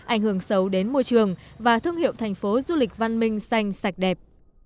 ảnh hưởng xấu đến môi trường và thương hiệu thành phố du lịch văn minh xanh sạch đẹp